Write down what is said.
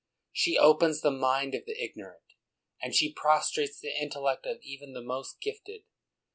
She opens the mind of the ignorant, and she prostrates the in tellect of even the most gifted.